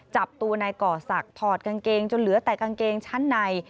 จับตัวนายก่อศักดิ์ถอดกางเกงจนเหลือแต่กางเกงชั้นใน